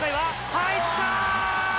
入った！